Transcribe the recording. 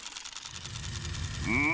うん！